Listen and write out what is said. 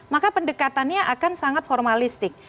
maka pendekatannya akan sangat formalistik